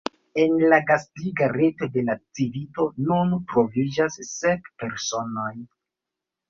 En la gastiga reto de la Civito nun troviĝas sep personoj.